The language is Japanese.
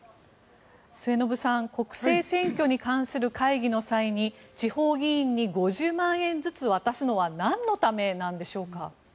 末延さん国政選挙に関する会議の際に地方議員に５０万円ずつ渡すのはなんのためなんでしょうか。